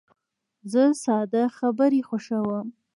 زه ساده خبرې خوښوم.